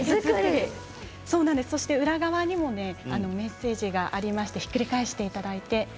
裏側にもメッセージがありましてひっくり返していただいて。